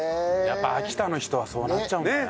やっぱ秋田の人はそうなっちゃうんだね。